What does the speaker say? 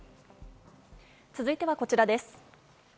続いてはこちらです。